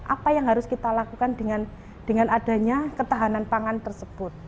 apa yang harus kita lakukan dengan adanya ketahanan pangan tersebut